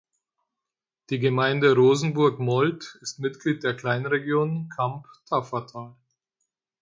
Die Gemeinde Rosenburg-Mold ist Mitglied der Kleinregion Kamp-Taffatal.